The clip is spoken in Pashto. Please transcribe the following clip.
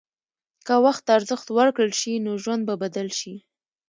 که وخت ته ارزښت ورکړل شي، نو ژوند به بدل شي.